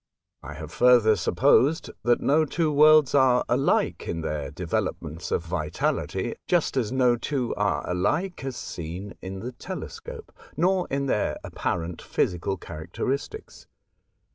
I have further supposed that no two worlds are alike in their developments of vitality, just as no two are alike as seen in the telescope, nor in their apparent physical characteristics.